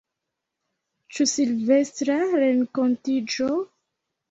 Ĉu Silvestra renkontiĝo?